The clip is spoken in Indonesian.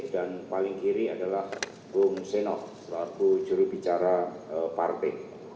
dan paling kiri adalah bung senok selaku jurubicara partai